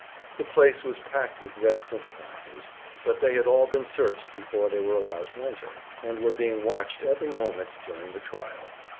The place was packed with Red sympathizers, but they had all been searched before they were allowed to enter, and were being watched every moment during the trial.